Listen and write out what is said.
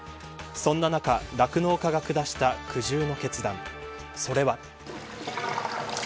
そんな中、酪農家が下した苦渋の決断。